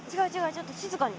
ちょっと静かに。